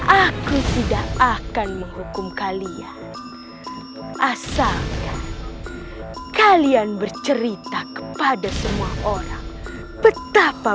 aku tidak akan menghukum kalian asalkan kalian bercerita kepada semua orang betapa